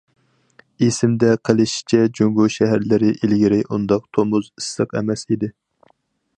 ئېسىمدە قېلىشىچە، جۇڭگو شەھەرلىرى ئىلگىرى ئۇنداق تومۇز ئىسسىق ئەمەس ئىدى.